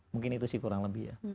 mungkin itu sih kurang lebih ya